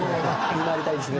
見回り隊ですね。